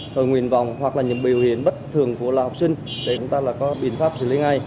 thời nguyện vọng hoặc là những biểu hiện bất thường của là học sinh để chúng ta có biện pháp xử lý ngay